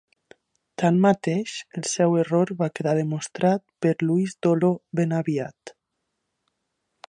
Tanmateix, el seu error va quedar demostrat per Louis Dollo ben aviat.